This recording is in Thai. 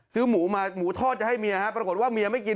ซื้อหมูมาหมูทอดจะให้เมียปรากฏว่าเมียไม่กิน